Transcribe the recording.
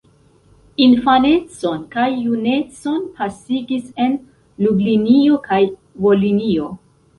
Infanecon kaj junecon pasigis en Lublinio kaj Volinio.